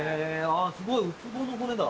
すごいウツボの骨だ。